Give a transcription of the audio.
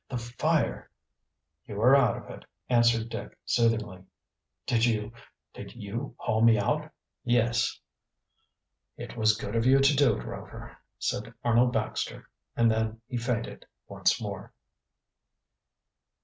"The fire " "You are out of it," answered Dick soothingly. "Did you did you haul me out?" "Yes." "It was good of you to do it, Rover," said Arnold Baxter, and then he fainted once more.